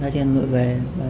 ra trên nội về